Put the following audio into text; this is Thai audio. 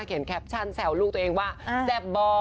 แคปชั่นแซวลูกตัวเองว่าแซ่บบ่อ